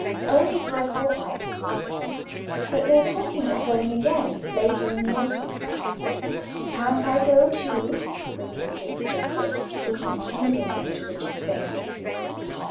"Only for a fortnight. But they talk of going again later in the autumn." "Can't I go, too?" repeated the justice, looking pleadingly in Richard's face.